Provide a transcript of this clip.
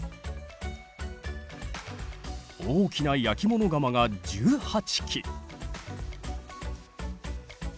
大きな焼き物窯が１８基。